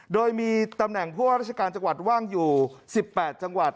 โดยมีตำแหน่งผู้ว่าราชการจังหวัดว่างอยู่๑๘จังหวัด